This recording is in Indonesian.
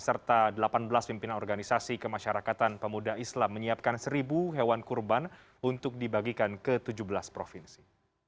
serta delapan belas pimpinan organisasi kemasyarakatan pemuda islam menyiapkan seribu hewan kurban untuk dibagikan ke tujuh belas provinsi